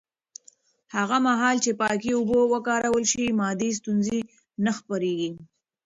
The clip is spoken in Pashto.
هغه مهال چې پاکې اوبه وکارول شي، معدي ستونزې نه خپرېږي.